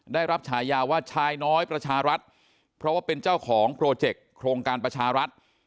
ได้รับฉายาว่าชายน้อยประชารัฐเพราะว่าเป็นเจ้าของโปรเจกต์โครงการประชารัฐ